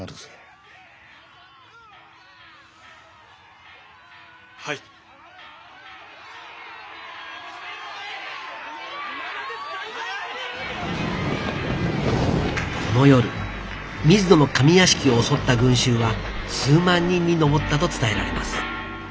・この夜水野の上屋敷を襲った群衆は数万人に上ったと伝えられます。